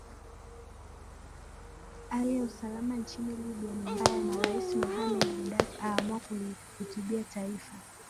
ali ya usalama nchini libya ni mbaya na rais mohamed gaddafi aamua kulihutubia taifa